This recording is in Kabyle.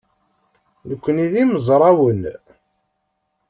Nekkni d imezrawen.